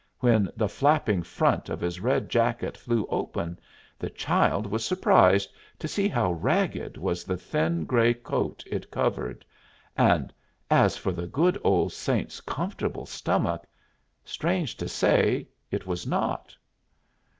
When the flapping front of his red jacket flew open, the child was surprised to see how ragged was the thin gray coat it covered; and as for the good old saint's comfortable stomach strange to say, it was not!